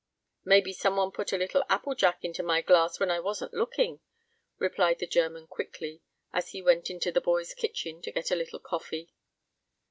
"Maybe someone put a little apple jack into my glass when I wasn't looking," replied the German, quickly, as he went into the boys' kitchen to get a little coffee.